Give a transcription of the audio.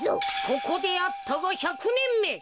ここであったが１００ねんめ。